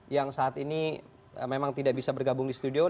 yang saat ini memang tidak bisa bergabung di studio